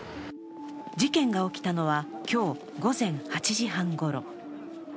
事件が起きたのは今日午前８時半ごろ。